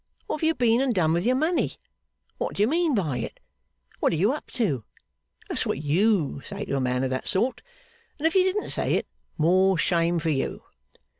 What have you been and done with your money? What do you mean by it? What are you up to? That's what you say to a man of that sort; and if you didn't say it, more shame for you!